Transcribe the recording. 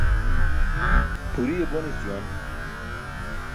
Buriye bonis juwan.